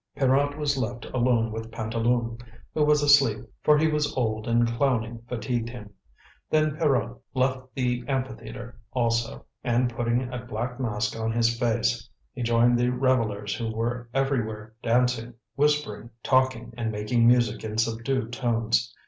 Pierrot was left alone with Pantaloon, who was asleep, for he was old and clowning fatigued him. Then Pierrot left the amphitheatre also, and putting a black mask on his face he joined the revellers who were everywhere dancing, whispering, talking, and making music in subdued tones.